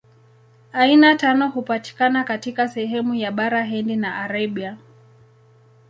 Aina ya tano hupatikana katika sehemu ya Bara Hindi na Arabia.